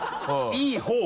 いいほう！